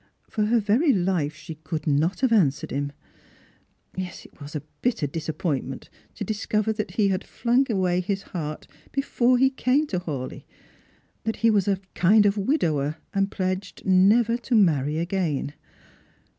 For her very life she could not have answered him. Yes, it was a bitter disapj^ointment to discover that he had flung away his heart before he came to Hawleigh ; that he was a kind of widower, and pledged never to tiarry again.